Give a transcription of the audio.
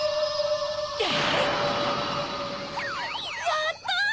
やった！